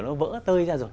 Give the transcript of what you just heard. nó vỡ tơi ra rồi